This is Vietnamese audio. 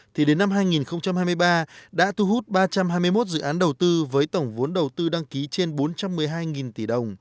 thì đến năm hai nghìn hai mươi ba đã thu hút ba trăm hai mươi một dự án đầu tư với tổng vốn đầu tư đăng ký trên bốn trăm một mươi hai tỷ đồng